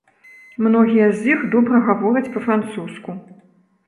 Многія з іх добра гавораць па-французску.